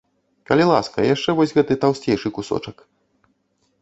Калі ласка, яшчэ вось гэты таўсцейшы кусочак.